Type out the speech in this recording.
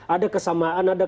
ada kesamaan ada